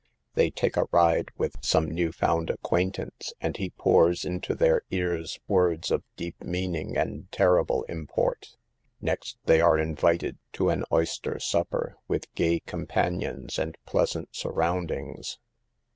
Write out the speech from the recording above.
They take a ride with some new found acquaintance, and he pours in to their ears words of deep meaning and terrible import. Next they are invited to an oyster supper, with gay companions and pleasant sur roundings.